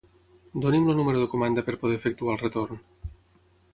Doni'm el número de comanda per poder efectuar el retorn.